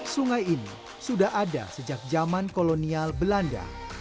sungai ini sudah ada sejak zaman kolonial belanda